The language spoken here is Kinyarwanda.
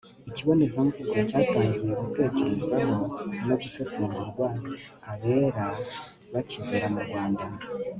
ikibonezamvugo cyatangiye gutekerezwaho no gusesengurwa abera bakigera mu rwanda